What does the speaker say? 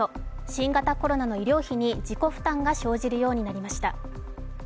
新型コロナの医療費に自己負担が生じるようになりました。